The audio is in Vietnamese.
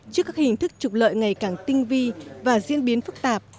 trước các hình thức trục lợi ngày càng tinh vi và diễn biến phức tạp